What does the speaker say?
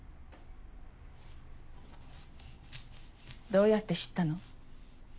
どうやって知ったの？